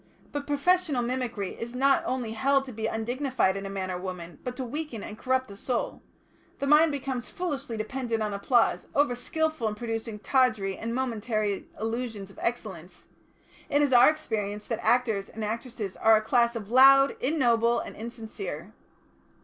But professional mimicry is not only held to be undignified in a man or woman, but to weaken and corrupt the soul; the mind becomes foolishly dependent on applause, over skilful in producing tawdry and momentary illusions of excellence; it is our experience that actors and actresses as a class are loud, ignoble, and insincere.